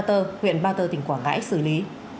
bà tơ huyện bà tơ tỉnh quảng ngãi xử lý